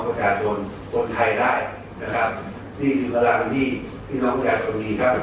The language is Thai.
ประชาชนคนไทยได้นะครับนี่คือเวลาที่ที่น้องครูใช่คนงี้ครับ